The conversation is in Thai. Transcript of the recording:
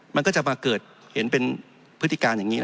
มันก็จะมาเกิดเห็นเป็นพฤติการอย่างนี้